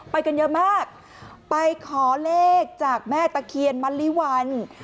ไปกันเยอะมากไปขอเลขจากแม่ตะเคียนมะลิวัน